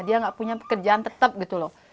dia nggak punya pekerjaan tetap gitu loh